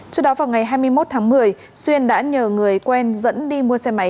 trước đó vào ngày hai mươi một tháng một mươi xuyên đã nhờ người quen dẫn đi mua xe máy